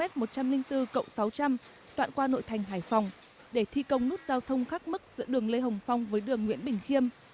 các doanh nghiệp cộng sáu trăm linh toạn qua nội thành hải phòng để thi công nút giao thông khác mức giữa đường lê hồng phong với đường nguyễn bình khiêm